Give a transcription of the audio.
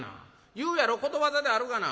言うやろことわざであるがな。